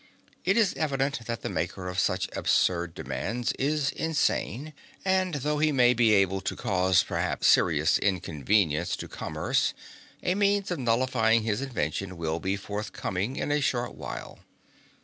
It is evident that the maker of such absurd demands is insane, and though he may be able to cause perhaps serious inconvenience to commerce, a means of nullifying his invention will be forthcoming in a short while.